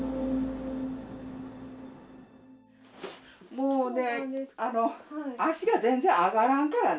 もうねあの足が全然あがらんからね